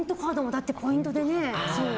だってポイントでね。